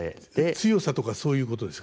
強さとかそういうことですか？